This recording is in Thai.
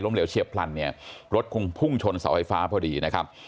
เหลวเฉียบพลันเนี่ยรถคงพุ่งชนเสาไฟฟ้าพอดีนะครับ